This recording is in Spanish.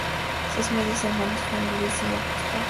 Sus medio hermanos fueron: Luis I y Augusta.